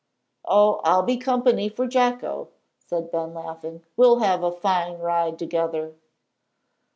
"Oh, I'll be company for Jocko," said Ben, laughing, "we'll have a fine ride together."